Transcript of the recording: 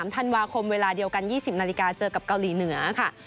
ธันวาคมเวลาเดียวกัน๒๐นาฬิกาเจอกับเกาหลีเหนือค่ะ